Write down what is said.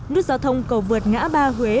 nút giao thông cầu vượt ngã ba huế